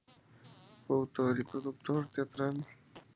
Fue autor y productor teatral.